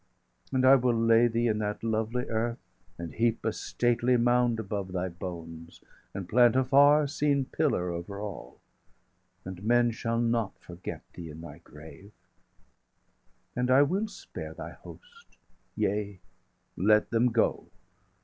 And I will lay thee in that lovely earth, And heap a stately mound above thy bones, And plant a far seen pillar over all, And men shall not forget thee in thy grave. 805 And I will spare thy host; yea, let them go!